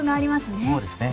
そうですね。